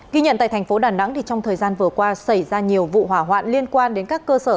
ghi nhận tại thành phố đà nẵng trong thời gian vừa qua xảy ra nhiều vụ hỏa hoạn liên quan đến các cơ sở